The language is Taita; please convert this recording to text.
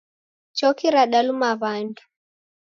Choki radaluma wandu.